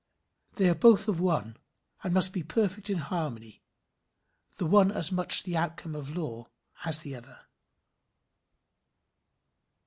They are both of one and must be perfect in harmony, the one as much the outcome of law as the other.